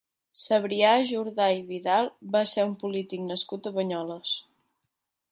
Cebrià Jordà i Vidal va ser un polític nascut a Banyoles.